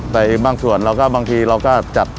แต่บางส่วนเราก็บางทีเราก็จัด